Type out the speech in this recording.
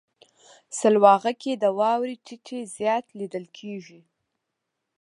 سلواغه کې د واورې ټيټی زیات لیدل کیږي.